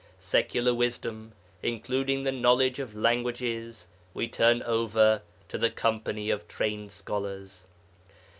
Secular wisdom, including the knowledge of languages, we turn over to the company of trained scholars.